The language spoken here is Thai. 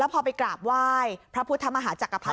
พอไปกราบไหว้พระพุทธมหาจักรพรร